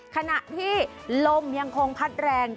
ขณะที่ลมยังคงพัดแรง